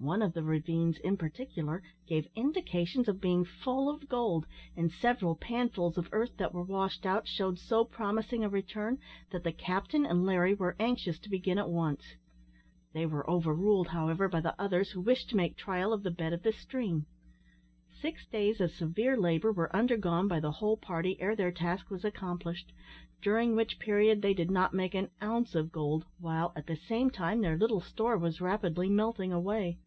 One of the ravines, in particular, gave indications of being full of gold, and several panfuls of earth that were washed out shewed so promising a return, that the captain and Larry were anxious to begin at once. They were overruled, however, by the others, who wished to make trial of the bed of the stream. Six days of severe labour were undergone by the whole party ere their task was accomplished, during which period they did not make an ounce of gold, while, at the same time, their little store was rapidly melting away.